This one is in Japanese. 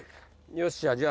よっしゃじゃあ。